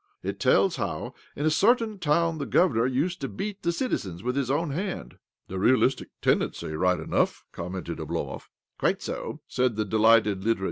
"It tells how, in a certain town, the governor used to beat the citizens with his own hand." " The realistic tendency, right enough !" commented Oblomov. " Quite so," said the delighted litterateur.